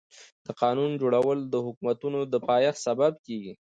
د قانون جوړول د حکومتونو د پايښت سبب کيږي.